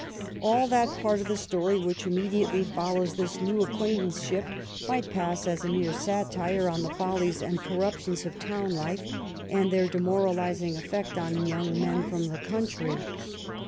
All that part of the story which immediately follows this new acquaint anceship might pass as a mere satire on the follies and corruptions of town life and their demoralizing effect on young men from the country.